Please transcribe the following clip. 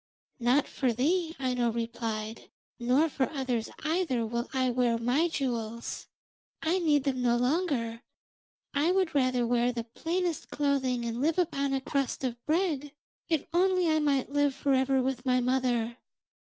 'Not for thee,' Aino replied, 'nor for others either, will I wear my jewels. I need them no longer; I would rather wear the plainest clothing and live upon a crust of bread, if only I might live for ever with my mother.'